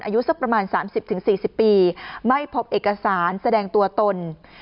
อายุสักประมาณ๓๐๔๐ปีไม่พบเอกสารแสดงตัวตน